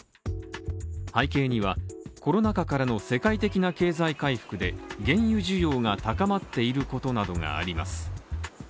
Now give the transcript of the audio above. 背景には、コロナ禍からの世界的な経済回復で原油需要が高まっていることなどがあります。